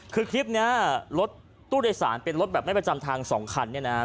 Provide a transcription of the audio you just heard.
คือคลิปนี้รถตู้โดยสารเป็นรถแบบไม่ประจำทาง๒คันเนี่ยนะฮะ